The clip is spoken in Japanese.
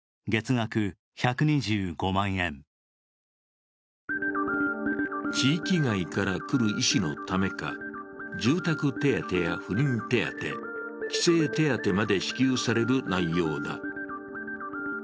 別の求人では地域外から来る医師のためか、住宅手当や赴任手当、帰省手当まで支給される内容だ。